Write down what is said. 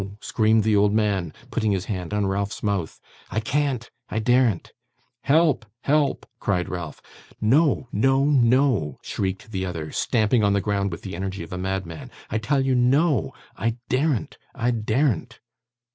screamed the old man, putting his hand on Ralph's mouth. 'I can't, I daren't.' 'Help! help!' cried Ralph. 'No, no, no!' shrieked the other, stamping on the ground with the energy of a madman. 'I tell you no. I daren't, I daren't!